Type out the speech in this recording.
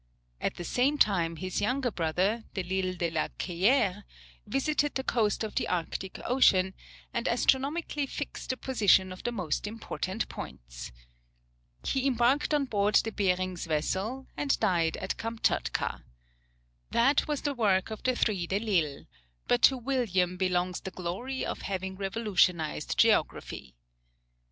At the same time his younger brother, Delisle de la Ceyére, visited the coast of the Arctic Ocean, and astronomically fixed the position of the most important points. He embarked on board De Behring's vessel and died at Kamtchatka. That was the work of the three Delisles, but to William belongs the glory of having revolutionized geography.